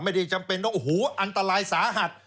ไม่ได้จำเป็นอันตรายสาหัส